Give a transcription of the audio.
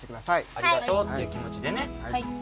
ありがとうっていう気もちでね。